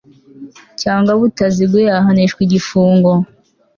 cyangwa butaziguye ahanishwa igifungo